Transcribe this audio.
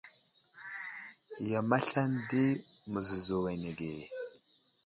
Yam aslane di məzəzo anege.